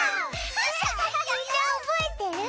みんな覚えてる？